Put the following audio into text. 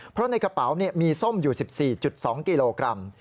เพราะในกระเป๋ามีส้มอยู่๑๔๒กิโลกรัม